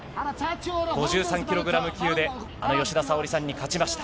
５３キログラム級であの吉田沙保里さんに勝ちました。